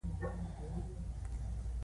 د تاریکي راتلونکي د روښانولو په هلوځلو.